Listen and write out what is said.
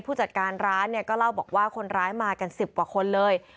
ผู้จัดการร้านเนี่ยก็เล่าบอกว่าคนร้ายมากัน๑๐กว่าคนเลย